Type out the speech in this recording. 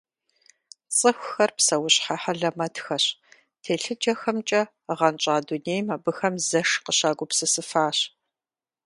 Цӏыхухэр псэущхьэ хьэлэмэтхэщ - телъыджэхэмкӏэ гъэнщӏа дунейм абыхэм зэш къыщагупсысыфащ.